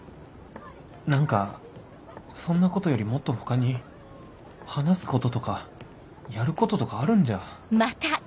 何かそんなことよりもっと他に話すこととかやることとかあるんじゃ